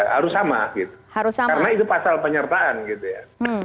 harus sama gitu karena itu pasal penyertaan gitu ya